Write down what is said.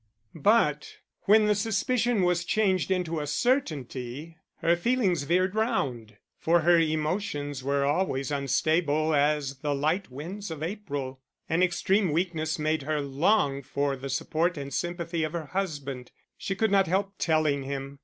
But when the suspicion was changed into a certainty, her feelings veered round; for her emotions were always unstable as the light winds of April. An extreme weakness made her long for the support and sympathy of her husband; she could not help telling him.